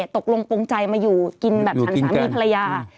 ตกลงปงใจมาอยู่กินแบบฉันสามีภรรยา